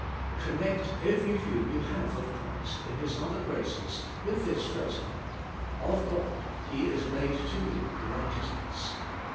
Connect every view you have of Christ in His other graces with this first one: *0f God He is made to you right eousness.'